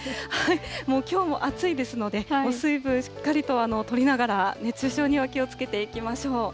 もうきょうも暑いですので、水分しっかりととりながら、熱中症には気をつけていきましょう。